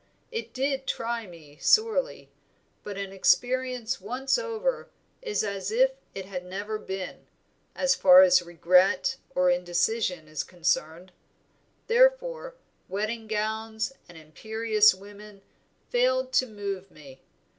It did try me sorely, but an experience once over is as if it had never been, as far as regret or indecision is concerned; therefore wedding gowns and imperious women failed to move me.